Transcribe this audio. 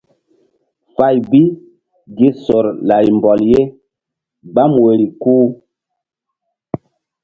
Fay bi gi sor lari mbɔl ye gbam woyri ku.